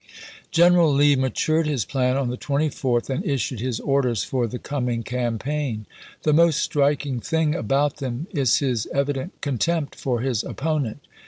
General Lee matured his plan on the 24th, and issued his orders for the coming campaign. The most striking thing about them is his evident con tempt for his opponent.